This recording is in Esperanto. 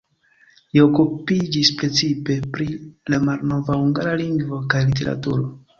Li okupiĝis precipe pri la malnova hungara lingvo kaj literaturo.